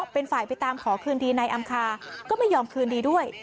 เป็นฝ่ายไปตามขอคืนดีนายอำคาก็ไม่ยอมคืนดีด้วย